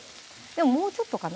もうちょっとかな